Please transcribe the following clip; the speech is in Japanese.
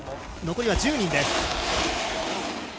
残りは１０人です。